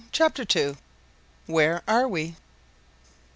CHAPTER II. WHERE ARE WE?